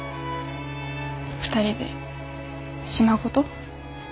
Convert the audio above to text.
２人で島ごと？